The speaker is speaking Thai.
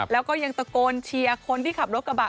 แล้วก็ยังตะโกนเชียร์คนที่ขับรถกระบะ